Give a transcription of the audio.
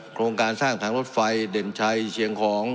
โครงการสร้างทางรถไฟเด่นชัยเชียงของ